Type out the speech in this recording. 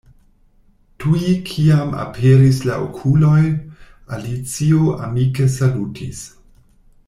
Tuj kiam aperis la okuloj, Alicio amike salutis.